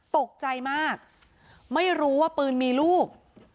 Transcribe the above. ตกใจมากไม่รู้ว่าปืนมีลูก